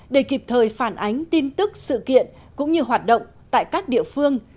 để kịp thời phản ánh tin tức sự kiện cũng như hoạt động tại các địa phương